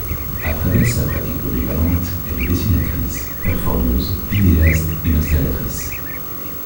À travers sa pratique polyvalente, elle est dessinatrice, performeuse, vidéaste et installatrice.